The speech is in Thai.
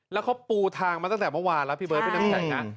แล้วเขาปูทางมาตั้งแต่เมื่อวานพี่เบิร์ตไปนั่งใส่